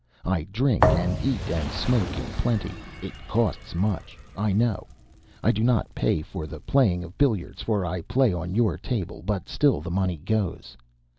I drink and eat and smoke in plenty it costs much, I know. I do not pay for the playing of billiards, for I play on your table; but still the money goes.